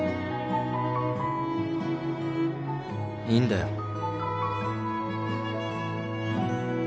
いいんだよ。